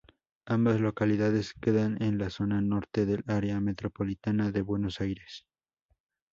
Ambas localidades quedan en la zona norte del Área metropolitana de Buenos Aires.